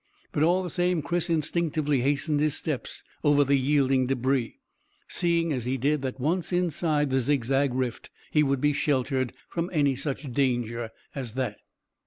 But all the same Chris instinctively hastened his steps over the yielding debris, seeing as he did that once inside the zigzag rift he would be sheltered from any such danger as that.